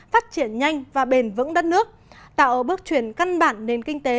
phát triển nhanh và bền vững đất nước tạo bước chuyển căn bản nền kinh tế